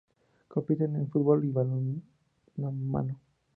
Compiten en fútbol y balonmano.